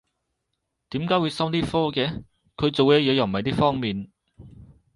點解會收呢科嘅？佢做嘅嘢又唔係呢方面